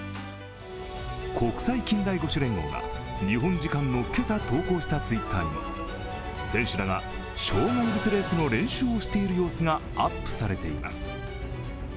国際近代五種連合が日本時間の今朝、投稿したツイッターに選手らが障害物レースの練習をしている様子がアップされています。